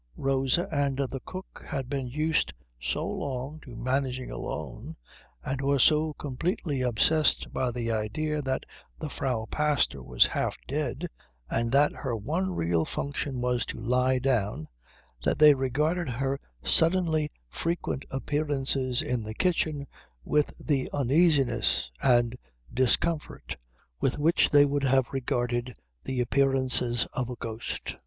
Rosa and the cook had been used so long to managing alone, and were so completely obsessed by the idea that the Frau Pastor was half dead and that her one real function was to lie down, that they regarded her suddenly frequent appearances in the kitchen with the uneasiness and discomfort with which they would have regarded the appearances of a ghost.